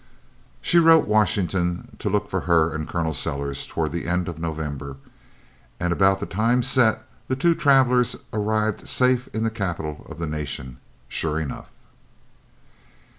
She wrote Washington to look for her and Col. Sellers toward the end of November; and at about the time set the two travelers arrived safe in the capital of the nation, sure enough.